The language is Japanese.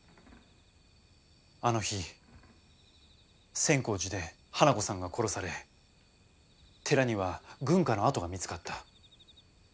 あの日千光寺で花子さんが殺され寺には軍靴の跡が見つかった。